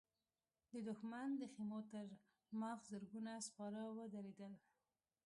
د دښمن د خيمو تر مخ زرګونه سپاره ودرېدل.